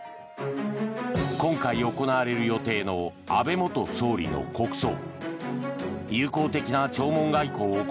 今回行われる予定の安倍元総理の国葬。